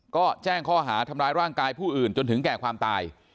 ก็แจ้งข้อหาทำร้ายร่างกายผู้อื่นจนถึงแก่ความตาย